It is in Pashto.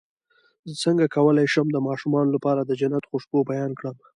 څنګه کولی شم د ماشومانو لپاره د جنت خوشبو بیان کړم